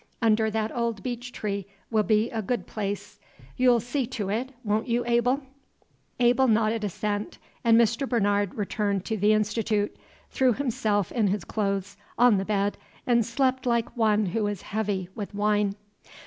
Under that old beech tree will be a good place. You'll see to it, won't you, Abel?" Abel nodded assent, and Mr. Bernard returned to the Institute, threw himself in his clothes on the bed, and slept like one who is heavy with wine.